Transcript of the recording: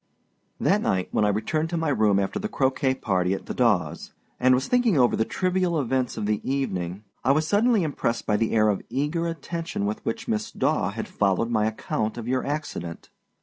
That night when I returned to my room after the croquet party at the Dawâs, and was thinking over the trivial events of the evening, I was suddenly impressed by the air of eager attention with which Miss Daw had followed my account of your accident.